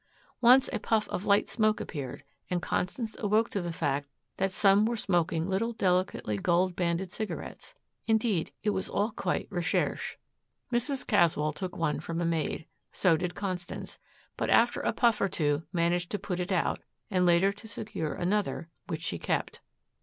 Once a puff of light smoke appeared, and Constance awoke to the fact that some were smoking little delicately gold banded cigarettes. Indeed it was all quite recherche. Mrs. Caswell took one from a maid. So did Constance, but after a puff or two managed to put it out and later to secure another which she kept.